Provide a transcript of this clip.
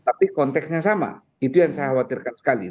tapi konteksnya sama itu yang saya khawatirkan sekali